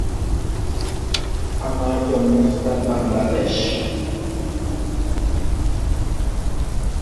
বাংলাদেশে সার্বিয়ার কোন দূতাবাস বা কনস্যুলেট অফিস নেই তবে বাংলাদেশী ব্যক্তি নতুন দিল্লিতে সার্বিয়ান ভিসার জন্য আবেদন করতে পারে।